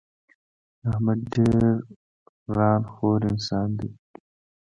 احمد ډېر ًران خور انسان دی.